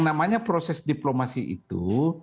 namanya proses diplomasi itu